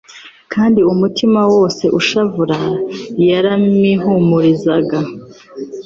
kandi umutima wose ushavura yaramihumurizaga.